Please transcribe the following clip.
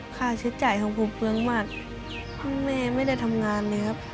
ค่าใช้จ่ายของผมเปลืองมากคุณแม่ไม่ได้ทำงานเลยครับ